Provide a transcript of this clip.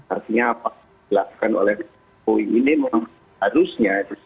artinya apa yang dilakukan oleh jokowi ini memang harusnya